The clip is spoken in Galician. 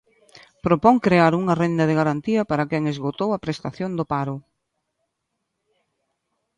Propón crear unha renda de garantía para quen esgotou a prestación do paro.